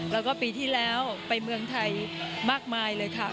แล้วก็ปีที่แล้วไปเมืองไทยมากมายเลยค่ะ